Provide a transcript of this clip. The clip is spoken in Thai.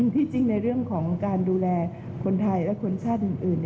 ที่จริงในเรื่องของการดูแลคนไทยและคนชาติอื่น